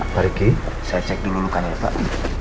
pak riki saya cek dulu lukanya ya pak